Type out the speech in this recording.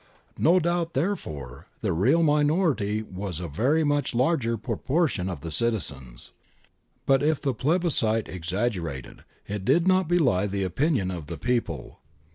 No doubt, therefore, the real minority was a very much larger pro portion of the citizens. But if the plebiscite exaggerated, it did not belie the opinion of the people.